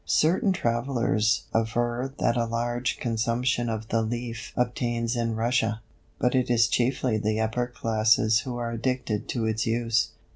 Certain travellers aver that a large consumption of the leaf obtains in Russia; but it is chiefly the upper classes who are addicted to its use.